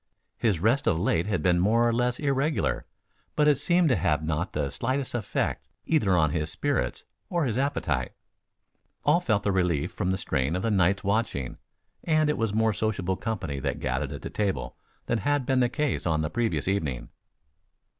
His rest of late had been more or less irregular, but it seemed to have not the slightest effect either on his spirits or his appetite. All felt the relief from the strain of the night's watching and it was a more sociable company that gathered at the table than had been the case on the previous evening.